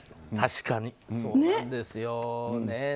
確かに、そうですよ。